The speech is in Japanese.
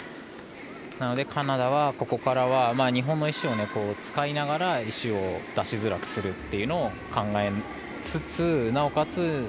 なのでカナダはここからは日本の石を使いながら石を出しづらくするというのを考えつつなおかつ